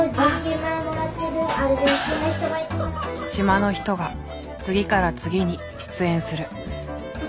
島の人が次から次に出演する。